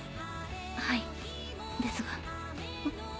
はいですが。